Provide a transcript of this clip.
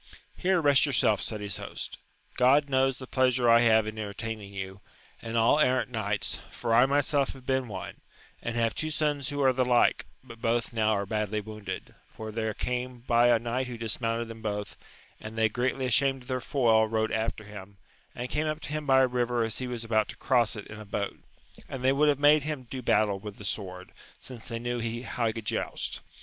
Here rest your self, said his host : God knows the pleasure I have in entertaining you, and all errant knights, for I myself have been one, and have two sons who are the like, but both now are badly wounded, for there came by a knight who dismounted them both, and they greatly ashamed of their foil rode after him, and came up to him by a river as he was about to cross it in a boat ; and they would have made him do battle with the sword, since they knew how he could joust.